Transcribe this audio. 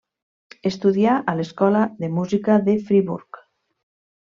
Estudià a l'Escola de música de Friburg.